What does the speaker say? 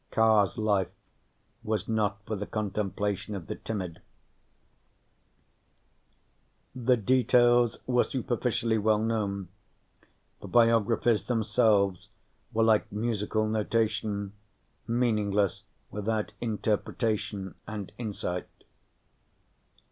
Carr's life was not for the contemplation of the timid. The details were superficially well known. The biographies themselves were like musical notation, meaningless without interpretation and insight.